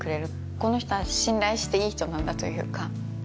この人は信頼していい人なんだというか。